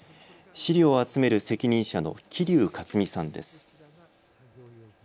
史料を集める責任者の木龍克己さんです。